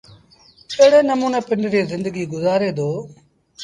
ايڙي نموٚني پنڊريٚ زندگيٚ گزآري دو۔